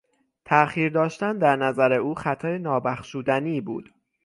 تاخیر داشتن در نظر او خطای نابخشودنی بود.